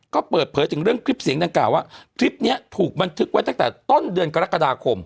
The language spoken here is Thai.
ก็เปิดเผยถึงเรื่องคลิปเสียงดังกล่าวว่าคลิปนี้ถูกบันทึกไว้ตั้งแต่ต้นเดือนกรกฎาคม